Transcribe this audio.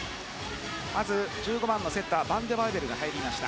まず１５番のセッターバンデバイベルンが入りました。